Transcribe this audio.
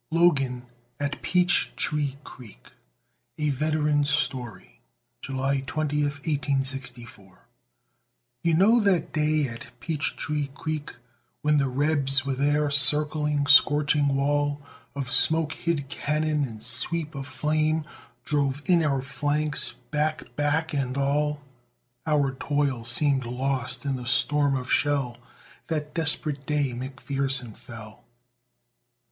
LOGAN AT PEACH TREE CREEK A VETERAN'S STORY [July 20, 1864] You know that day at Peach Tree Creek, When the Rebs with their circling, scorching wall Of smoke hid cannon and sweep of flame Drove in our flanks, back! back! and all Our toil seemed lost in the storm of shell That desperate day McPherson fell!